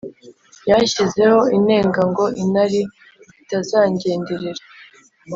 Yanshyizeho inenga ngo Inari itazangenderera